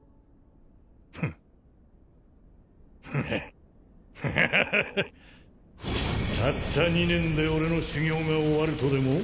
フッフハッフハハハハたった２年で俺の修行が終わるとでも？